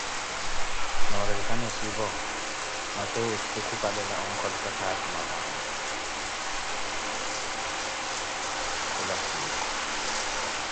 Noorettikhana etthiipo, Mateus khukhupalela onkholisa khaazi mamaa we khula siikhu.